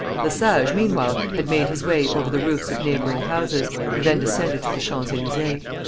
Le Sage meanwhile had made his way over the roofs of neighboring houses, and then descended to the Champs Élysées.